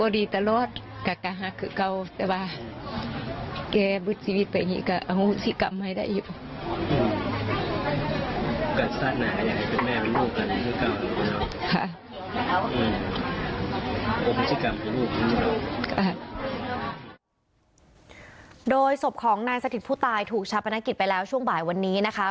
โดยศพของนายสถิตผู้ตายถูกชาปนกิจไปแล้วช่วงบ่ายวันนี้นะคะ